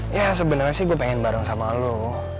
ya sebenernya sih gue pengen bareng sama lo